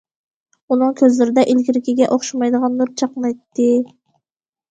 ئۇنىڭ كۆزلىرىدە ئىلگىرىكىگە ئوخشىمايدىغان نۇر چاقنايتتى.